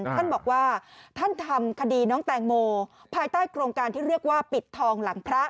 ท่านบอกว่าท่านทำคดีน้องแตงโมภายใต้โครงการที่เรียกว่าปิดทองหลังพระ